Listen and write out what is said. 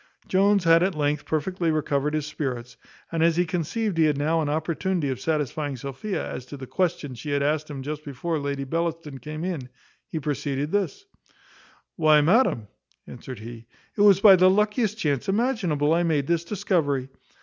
Jones had at length perfectly recovered his spirits; and as he conceived he had now an opportunity of satisfying Sophia as to the question she had asked him just before Lady Bellaston came in, he proceeded thus: "Why, madam," answered he, "it was by the luckiest chance imaginable I made this discovery.